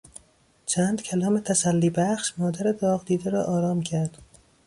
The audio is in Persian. چند کلام تسلیبخش مادر داغدیده را آرام کرد.